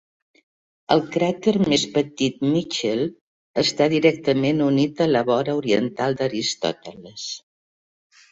El cràter més petit Mitchell està directament unit a la vora oriental d'Aristoteles.